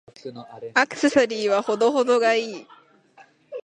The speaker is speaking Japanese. アクセサリーは程々が良い。